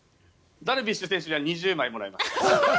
ダルビッシュ選手には２０枚もらいました。